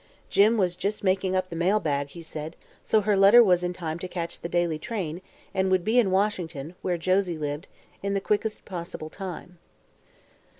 Jim was "jus' makin' up the mail bag," he said, so her letter was in time to catch the daily train and would be in Washington, where Josie lived, in the quickest possible time.